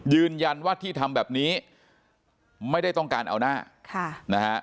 ยืนยันว่าที่ทำแบบนี้ไม่ได้ต้องการเอาหน้าค่ะนะฮะ